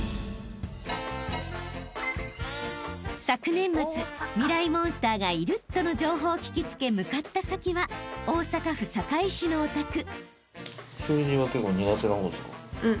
［昨年末ミライ☆モンスターがいるとの情報を聞き付け向かった先は大阪府堺市のお宅］